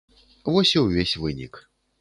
Вось і ўвесь вынік.